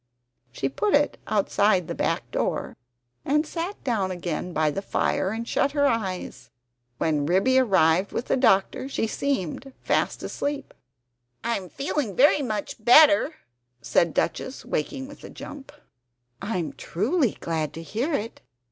She put it outside the back door, and sat down again by the fire, and shut her eyes; when Ribby arrived with the doctor, she seemed fast asleep. "I am feeling very much better," said Duchess, waking up with a jump. "I am truly glad to hear it!